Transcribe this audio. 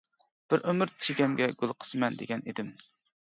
بىر ئۆمۈر چېكەمگە گۈل قىسىمەن دېگەن ئىدىم.